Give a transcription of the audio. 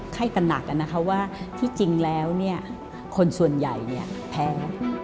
ให้ตนักนะคะว่าที่จริงแล้วคนส่วนใหญ่แพ้